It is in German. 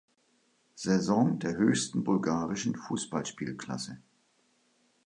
Saison der höchsten bulgarischen Fußballspielklasse.